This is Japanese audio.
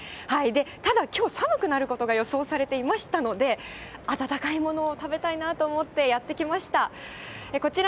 ただきょう、寒くなることが予想されていましたので、温かいものを食べたいなと思って、やって来ました。